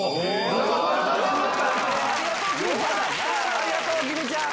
ありがとうきみちゃん！